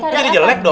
ini jadi jelek dong